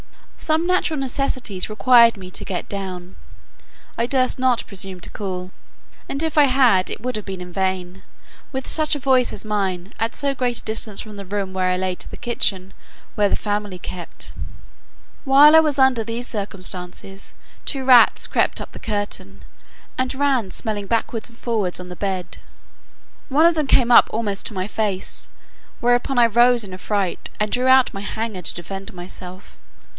Some natural necessities required me to get down; I durst not presume to call; and if I had, it would have been in vain, with such a voice as mine, at so great a distance from the room where I lay to the kitchen where the family kept. While I was under these circumstances, two rats crept up the curtains, and ran smelling backwards and forwards on the bed. One of them came up almost to my face, whereupon I rose in a fright, and drew out my hanger to defend myself.